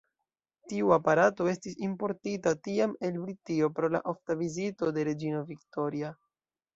Tiu aparato estis importita tiam el Britio pro la ofta vizito de reĝino Victoria.